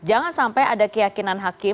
jangan sampai ada keyakinan hakim